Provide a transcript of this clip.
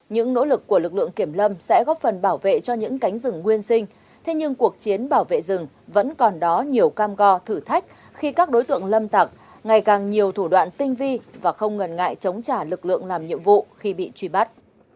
những nỗ lực của lực lượng kiểm lâm sẽ góp phần bảo vệ cho những cánh rừng nguyên sinh thế nhưng cuộc chiến bảo vệ rừng vẫn còn đó nhiều cam go thử thách khi các đối tượng lâm tặc ngày càng nhiều thủ đoạn tinh vi và không ngần ngại chống trả lực lượng làm nhiệm vụ khi bị truy bắt